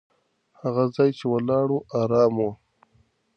هغه ځای چې ولاړو، ارام و.